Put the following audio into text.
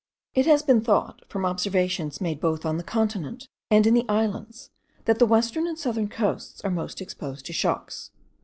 It has been thought from observations made both on the continent and in the islands, that the western and southern coasts are most exposed to shocks.